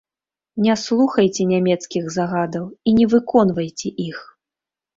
Не слухайце нямецкіх загадаў і не выконвайце іх!